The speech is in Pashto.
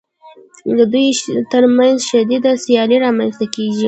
د دوی ترمنځ شدیده سیالي رامنځته کېږي